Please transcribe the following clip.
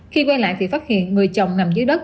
khi quay lại thì phát hiện người chồng nằm dưới đất